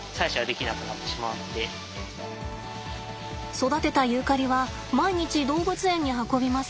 育てたユーカリは毎日動物園に運びます。